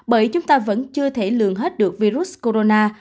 bởi chúng ta vẫn chưa thể lường hết được virus corona